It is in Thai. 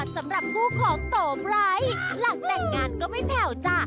สำหรับคู่ของโตไบร์ทหลังแต่งงานก็ไม่แผ่วจ้ะ